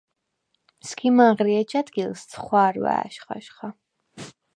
სგიმ ანღრი, ეჯ ა̈დგილს ცხვარვა̈შ ხაჟხა.